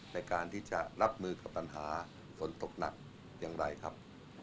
ในการที่จะรับมือกับปัญหาฝนตกหนักอย่างไรครับ